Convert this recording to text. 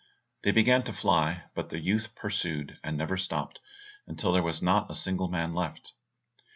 They began to fly, but the youth pursued, and never stopped, until there was not a single man left.